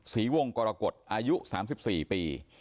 ศรีวงกรกฎอายุ๓๔ปี